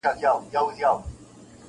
• لکه جنډۍ د شهید قبر د سر -